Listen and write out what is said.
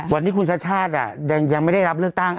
วันนี้คุณชาติชาติยังไม่ได้รับเลือกตั้ง